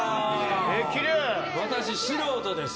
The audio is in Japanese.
私素人です。